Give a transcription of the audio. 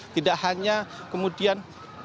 tidak hanya kemudian